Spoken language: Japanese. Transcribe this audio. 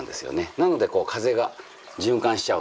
なので風が循環しちゃうので。